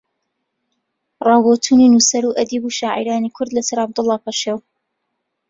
ڕاو بۆچوونی نووسەر و ئەدیب و شاعیرانی کورد لە سەر عەبدوڵڵا پەشێو